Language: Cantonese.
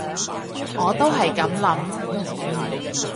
我都係噉諗